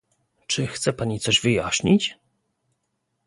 Czy chce Pani coś wyjaśnić?